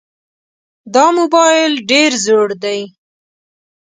دا موبایل ډېر زوړ دی.